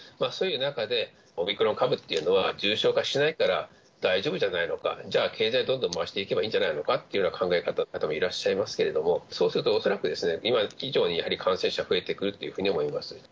そういう中で、オミクロン株っていうのは、重症化しないから大丈夫じゃないのか、じゃあ、経済どんどん回していけばいいんじゃないのかという考え方の方もいらっしゃいますけれども、そうすると、恐らく今以上に、やはり感染者が増えてくるというふうに思います。